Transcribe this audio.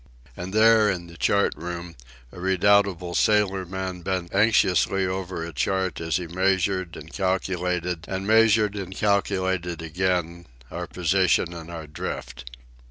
And there, in the chart room, a redoubtable sailorman bent anxiously over a chart as he measured and calculated, and measured and calculated again, our position and our drift.